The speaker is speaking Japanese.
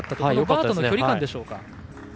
バーとの距離感でしょうか。